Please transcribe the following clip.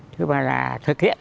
thứ ba là thực hiện